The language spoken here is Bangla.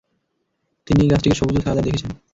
তিনি এই গাছটিকে সবুজ ও ছায়াদার দেখেছেন।